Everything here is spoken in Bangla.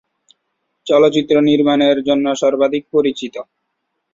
চলচ্চিত্র নির্মাণের জন্য সর্বাধিক পরিচিত।